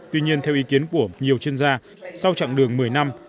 tuy nhiên theo ý kiến của nhiều chuyên gia sau chặng đường một mươi năm